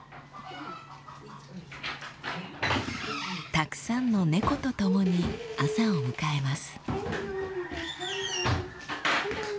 たくさんの猫とともに朝を迎えます。